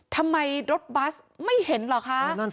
ทำไมรถบัสไม่เห็นเหรอคะ